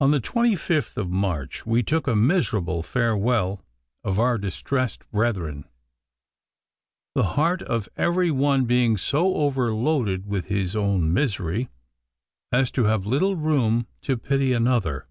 On the 25th of March we took a miserable farewell of our distressed brethren, the heart of every one being so overloaded with his own misery as to have little room to pity another.